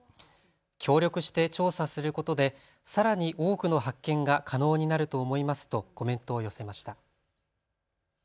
協力して調査することでさらに多くの発見が可能になると思いますとコメントを寄せました。